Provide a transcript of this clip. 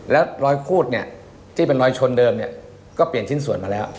แล้วรอยคูดที่เป็นรอยชนเดิมก็เปลี่ยนชิ้นสวนมาแล้ว